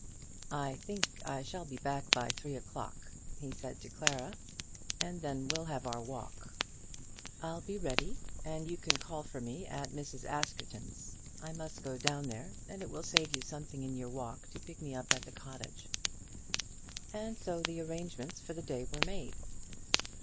"I think I shall be back by three o'clock," he said to Clara, "and then we'll have our walk." "I'll be ready; and you can call for me at Mrs. Askerton's. I must go down there, and it will save you something in your walk to pick me up at the cottage." And so the arrangements for the day were made.